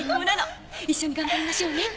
一緒に頑張りましょうね。